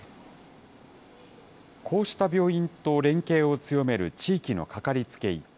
こうした病院と連携を強める地域のかかりつけ医。